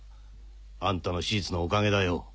あんたの手術のおかげだよ。